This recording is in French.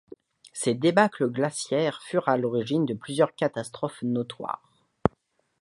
Ces débâcles glaciaires furent à l'origine de plusieurs catastrophes notoires.